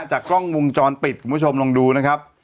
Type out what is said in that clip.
จากกล้องวงจรปิดคุณผู้ชมลองดูนะครับ